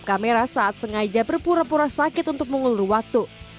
dia juga menangkap kamera saat sengaja berpura pura sakit untuk mengulur waktu